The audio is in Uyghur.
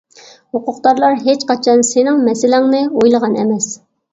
ھوقۇقدارلار ھېچقاچان سېنىڭ مەسىلەڭنى ئويلىغان ئەمەس.